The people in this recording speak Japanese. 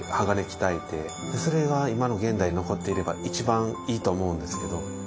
鋼鍛えてそれが今の現代に残っていれば一番いいと思うんですけど。